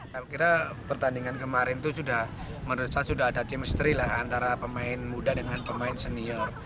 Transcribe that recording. saya kira pertandingan kemarin itu sudah menurut saya sudah ada chemistry lah antara pemain muda dengan pemain senior